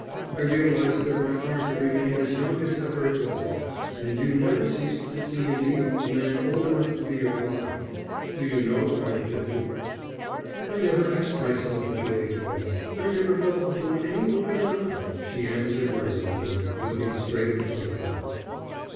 I realized that my heart had remained as young as ever it was, but you never ceased to see in me a man old enough to be your father. Do you know that I'm fifty?" "I never asked myself what your age was. I never felt that you were any older than I." She answered nervously, looking straight in front of her.